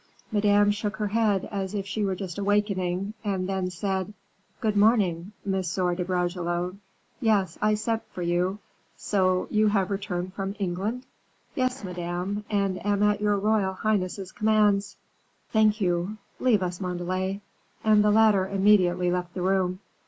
Madame shook her head as if she were just awakening, and then said, "Good morning, Monsieur de Bragelonne; yes, I sent for you; so you have returned from England?" "Yes, Madame, and am at your royal highness's commands." "Thank you; leave us, Montalais," and the latter immediately left the room.